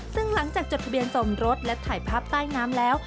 ซึ่งหลังจากจดทะเบียนสมรสและถ่ายภาพใต้น้ำแล้ว